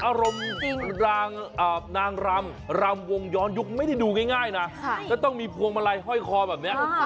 อารมณ์นางรำรำวงย้อนยุคไม่ได้ดูง่ายนะก็ต้องมีพวงมาลัยห้อยคอแบบนี้